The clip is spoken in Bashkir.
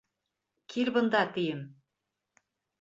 Кил бында, тием.